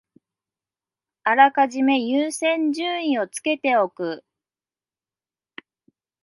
あらかじめ優先順位をつけておく